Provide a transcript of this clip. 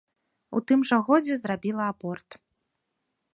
У тым жа годзе зрабіла аборт.